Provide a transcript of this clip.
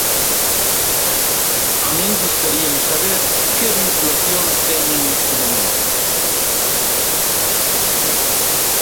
A min gustaríame saber que vinculacións teñen neste momento.